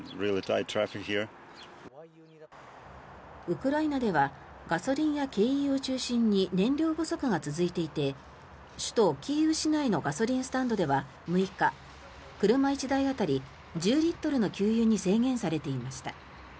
ウクライナではガソリンや軽油を中心に燃料不足が続いていて首都キーウ市内のガソリンスタンドでは６日車１台当たり１０リットルの給油に制限されていました。